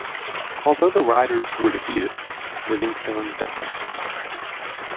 Although the Riders were defeated, Livingstone died.